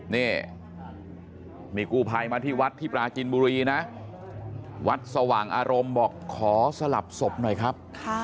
นี่มีกู้ภัยมาที่วัดที่ปราจินบุรีนะวัดสว่างอารมณ์บอกขอสลับศพหน่อยครับ